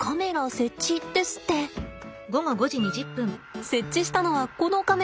設置したのはこのカメラです。